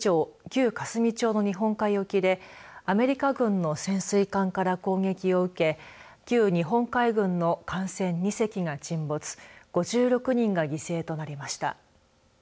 旧香住町の日本海沖でアメリカ軍の潜水艦から攻撃を受け旧日本海軍の艦船２隻が沈没５６人が犠牲となりました。